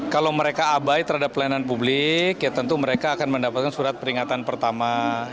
kalau mereka abai terhadap pelayanan publik ya tentu mereka akan mendapatkan surat peringatan pertama